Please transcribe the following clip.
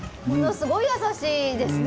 すごい優しいですね